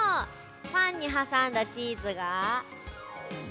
パンにはさんだチーズが。